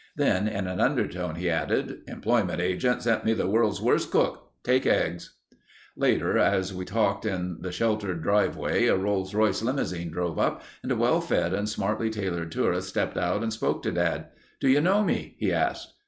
Then in an undertone he added: "Employment agent sent me the world's worst cook. Take eggs." Later as we talked in the sheltered driveway a Rolls Royce limousine drove up and a well fed and smartly tailored tourist stepped out and spoke to Dad: "Do you know me?" he asked.